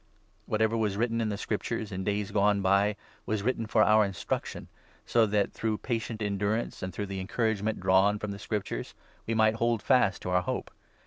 Whatever was written in the Scriptures in days gone by 4 was written for our instruction, so that, through patient en durance, and through the encouragement drawn from the Scriptures, we might hold fast to our hope.